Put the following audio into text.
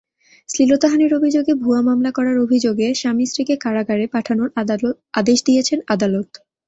শ্লীলতাহানির অভিযোগে ভুয়া মামলা করার অভিযোগে স্বামী-স্ত্রীকে কারাগারে পাঠানোর আদেশ দিয়েছেন আদালত।